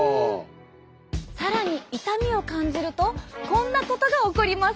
更に痛みを感じるとこんなことが起こります。